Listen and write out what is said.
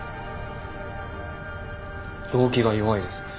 動機が弱いです。